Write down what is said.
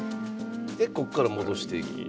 でこっから戻していく。